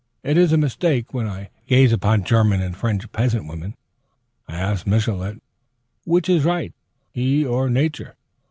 It is a mistake. When I gaze upon German and French peasant women, I ask Michelet which is right, he or Nature?